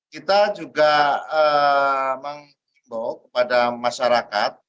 kita juga mengimbau kepada masyarakat